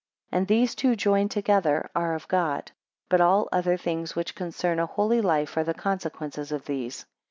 And these two joined together, are of God; but all other things which concern a holy life, are the consequences of these.